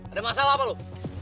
ada masalah apa lo